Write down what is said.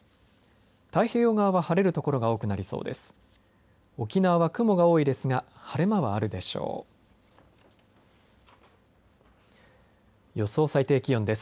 太平洋側は晴れる所が多くなりそうです。